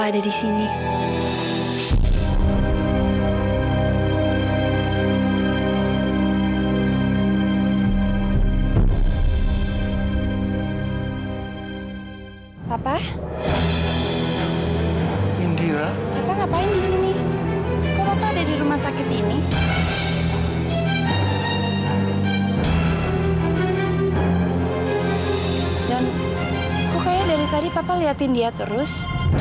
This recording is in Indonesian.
dan kok kayak dari tadi papa liatin dia terus